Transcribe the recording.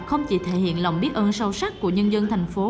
không chỉ thể hiện lòng biết ơn sâu sắc của nhân dân thành phố